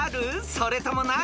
それともない？］